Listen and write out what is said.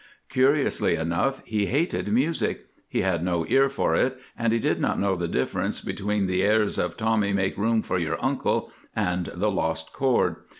Curiously enough, he hated music; he had no ear for it, and he did not know the difference between the airs of "Tommy, make room for your uncle" and "The Lost Chord."